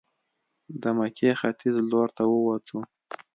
د مکې ختیځ لورته ووتو.